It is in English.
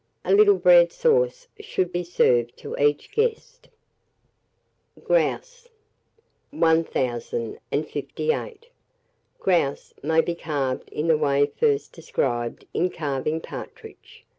A little bread sauce should be served to each guest. GROUSE. 1058. GROUSE may be carved in the way first described in carving partridge.